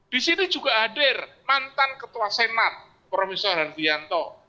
di sini juga hadir mantan ketua senat prof hervianto